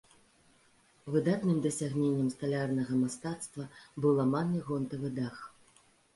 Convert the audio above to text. Выдатным дасягненнем сталярнага мастацтва быў ламаны гонтавы дах.